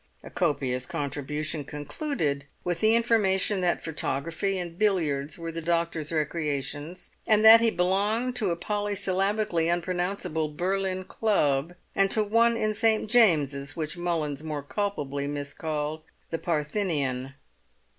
A copious contribution concluded with the information that photography and billiards were the doctor's recreations, and that he belonged to a polysyllabically unpronounceable Berlin club, and to one in St. James's which Mullins more culpably miscalled the Parthenian.